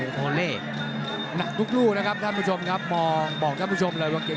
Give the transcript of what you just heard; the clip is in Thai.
อัจจากเจ้าบายดังที่ดี